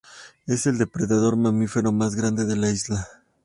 Es el depredador mamífero más grande de la isla.